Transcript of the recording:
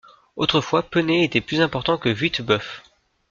Autrefois Peney était plus important que Vuitebœuf.